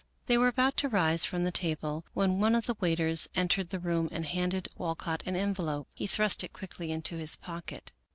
They were about to rise from the table when one of the waiters entered the room and handed Walcott an envelope. He thrust it quickly into his pocket.